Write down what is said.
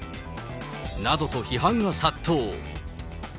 などと批判が殺到。